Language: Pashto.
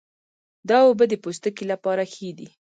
دا اوبه د پوستکي لپاره ښې دي.